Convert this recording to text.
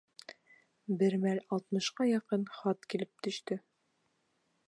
Бер мәл алтмышҡа яҡын хат килеп төштө.